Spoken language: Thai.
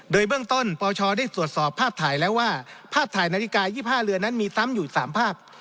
โดยเบื้องต้นปชได้ตรวจสอบภาพถ่ายแล้วว่าภาพถ่ายนาฬิกา๒๕เรือนนั้นมีซ้ำอยู่๓ภาพ